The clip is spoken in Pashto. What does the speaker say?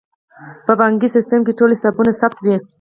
په بانکي سیستم کې ټول حسابونه ثبت وي.